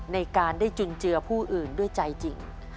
ในการได้จุนเจือผู้อื่นด้วยใจจริง